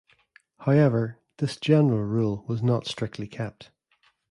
However, this general rule was not strictly kept.